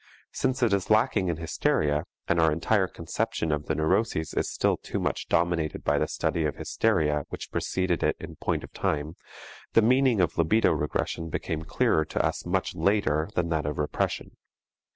Since it is lacking in hysteria and our entire conception of the neuroses is still too much dominated by the study of hysteria which preceded it in point of time, the meaning of libido regression became clearer to us much later than that of repression.